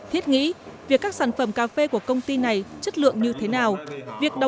thiết nghĩ việc các sản phẩm cà phê của công ty này chất lượng như thế nào